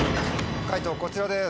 解答こちらです。